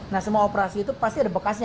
nah semua operasi itu pasti ada bekasnya